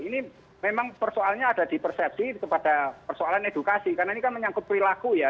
ini memang persoalannya ada di persepsi kepada persoalan edukasi karena ini kan menyangkut perilaku ya